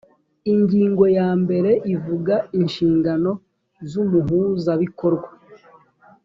ingingo ya mbere ivuga inshingano z umuhuzabikorwa